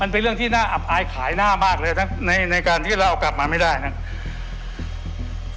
เป็นเรื่องที่น่าอับอายขายหน้ามากเลยนะในการที่เราเอากลับมาไม่ได้ครับ